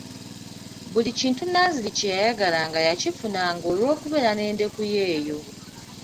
Buli kintu Nanziri kye yayagalanga yakifunanga olw'okubeera n'endeku ye eyo.